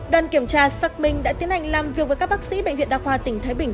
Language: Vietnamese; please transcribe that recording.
đoàn kiểm tra xác minh đã tiến hành làm việc với các bác sĩ bệnh viện đa khoa tỉnh thái bình